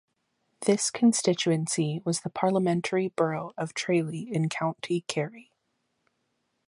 This constituency was the parliamentary borough of Tralee in County Kerry.